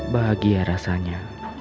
bagi ya rasanya